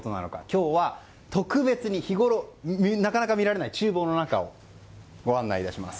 今日は特別に日ごろなかなか見られない厨房の中をご案内いたします。